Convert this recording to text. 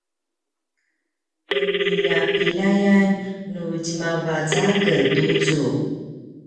peniljapiljayan nu djemavac a ken tucu